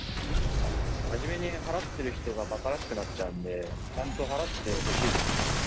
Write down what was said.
真面目に払ってる人がばからしくなっちゃうんで、ちゃんと払ってほしいですね。